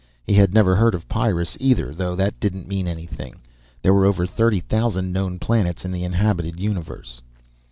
He had never heard of Pyrrus either, though that didn't mean anything. There were over thirty thousand known planets in the inhabited universe.